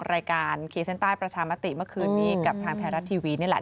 รายการขีดเส้นใต้ประชามติเมื่อคืนนี้กับทางไทยรัฐทีวีนี่แหละ